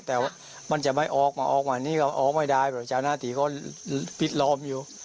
แต่มันจะไม่ออกมาออกมานี่ก็ออกไม่ได้เพราะเจ้าหน้าที่เขาปิดล้อมอยู่